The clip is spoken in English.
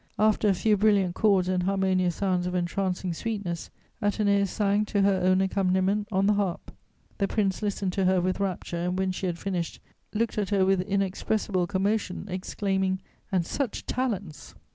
After a few brilliant chords and harmonious sounds of entrancing sweetness, Athenais sang to her own accompaniment on the harp. The Prince listened to her with rapture and, when she had finished, looked at her with inexpressible commotion, exclaiming: "'And such talents!'"